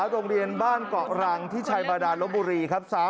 โรงเรียนบ้านเกาะรังที่ชัยบาดานลบบุรีครับ